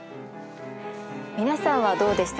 皆さんはどうでしたか？